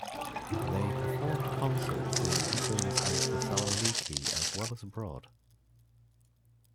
They performed concerts in Athens and Thessaloniki as well as abroad.